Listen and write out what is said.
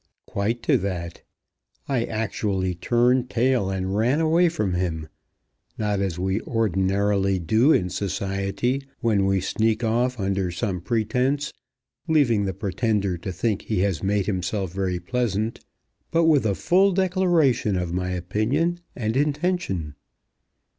"Quite to that. I actually turned tail and ran away from him; not as we ordinarily do in society when we sneak off under some pretence, leaving the pretender to think that he has made himself very pleasant; but with a full declaration of my opinion and intention."